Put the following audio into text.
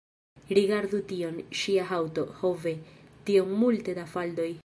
Rigardu tion; ŝia haŭto! ho ve! tiom multe da faldoj